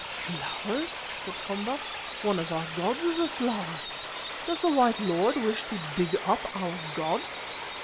"Flowers!" said Komba. "One of our gods is a flower. Does the white lord wish to dig up our god?"